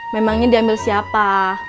memangnya diambil siapa